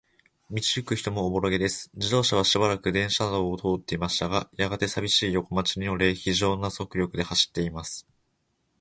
道ゆく人もおぼろげです。自動車はしばらく電車道を通っていましたが、やがて、さびしい横町に折れ、ひじょうな速力で走っています。